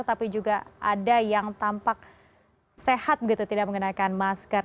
tapi juga ada yang tampak sehat begitu tidak mengenakan masker